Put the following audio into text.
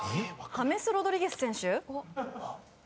ハメス・ロドリゲス選手？